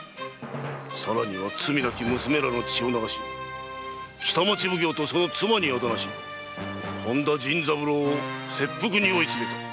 更には罪なき娘らの血を流し北町奉行とその妻に仇なし本田甚三郎を切腹に追い詰めた。